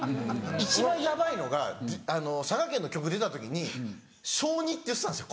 一番ヤバいのが佐賀県の曲出た時に小２って言ってたんですよ